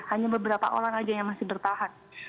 hanya beberapa orang saja yang masih bertahan